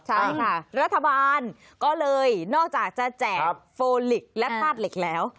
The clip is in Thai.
ใช่ค่ะรัฐบาลก็เลยนอกจากจะแจกโฟลิกและธาตุเหล็กแล้ว